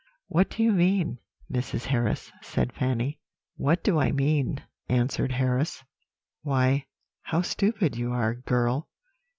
"'What do you mean, Mrs. Harris?' said Fanny. "'What do I mean?' answered Harris; 'why, how stupid you are, girl!